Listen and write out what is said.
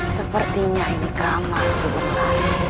sepertinya ini kamar sebenarnya